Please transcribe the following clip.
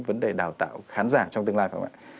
vấn đề đào tạo khán giả trong tương lai không ạ